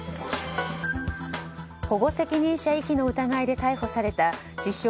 保護責任者遺棄の疑いで逮捕された自称